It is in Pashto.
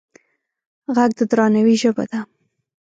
غږ د درناوي ژبه ده